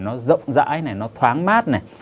nó rộng rãi này nó thoáng mát này